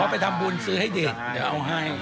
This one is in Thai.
ไปทำบุญซื้อให้เด็กเดี๋ยวเอาให้